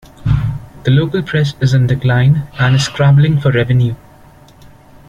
The local press is in decline, and is scrabbling for revenue.